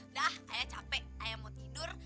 dah ayah capek ayah mau tidur